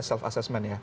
self assessment ya